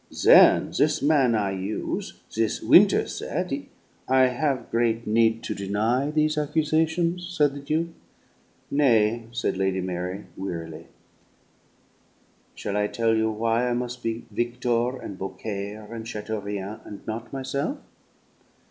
Then this man I use', this Winterset, he " "I have great need to deny these accusations?" said the Duke. "Nay," said Lady Mary wearily. "Shall I tell you why I mus' be 'Victor' and 'Beaucaire' and 'Chateaurien,' and not myself?"